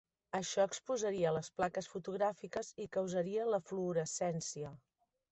Això exposaria les plaques fotogràfiques i causaria la fluorescència.